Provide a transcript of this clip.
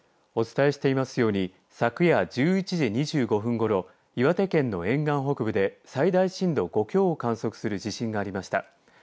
お伝えしていますように昨夜１１時２５分ごろ岩手県の沿岸北部で最大震度５強を観測する地震がありました。